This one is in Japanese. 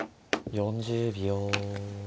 ４０秒。